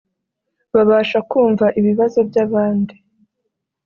babasha kumva ibibazo by’abandi